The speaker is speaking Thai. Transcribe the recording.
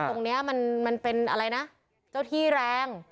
ตรงนี้มันเป็นอะไรนะเจ้าที่แรง